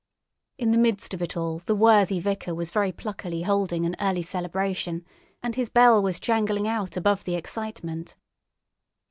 In the midst of it all the worthy vicar was very pluckily holding an early celebration, and his bell was jangling out above the excitement.